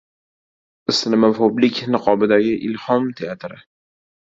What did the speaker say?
Islomofoblik niqobidagi “Ilhom” teatri